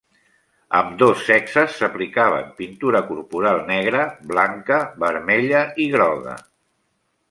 Ambdós sexes s'aplicaven pintura corporal negra, blanca, vermella i groga.